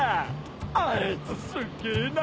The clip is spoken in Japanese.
あいつすげえな！